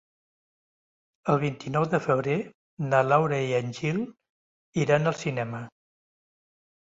El vint-i-nou de febrer na Laura i en Gil iran al cinema.